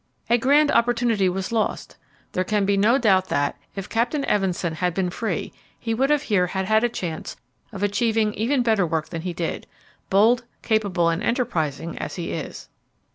A grand opportunity was lost: there can be no doubt that, if Captain Evensen had been free, he would here have had a chance of achieving even better work than he did bold, capable, and enterprising as he is.